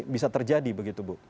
bisa terjadi begitu bu